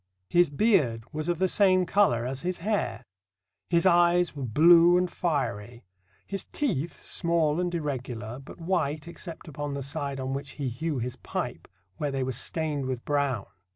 His beard was of the same colour as his hair. His eyes were blue and fiery. His teeth, small and irregular, but white except upon the side on which he hew his pipe, where they were stained with brown.